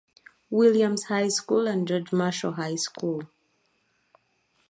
Williams High School and George Marshall High School.